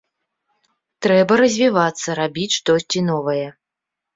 Трэба развівацца, рабіць штосьці новае.